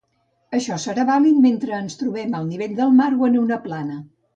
Això serà vàlid mentre ens trobem al nivell del mar o en una plana.